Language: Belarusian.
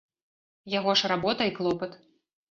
Яго ж работа і клопат.